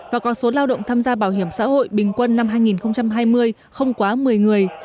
và có số lao động tham gia bảo hiểm xã hội bình quân năm hai nghìn hai mươi không quá một mươi người